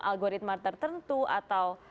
aloritma tertentu atau